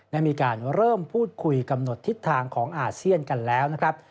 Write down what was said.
ได้มีการเริ่มพูดคุยกำหนดทิศทางของอาเซียนกันแล้วนะครับ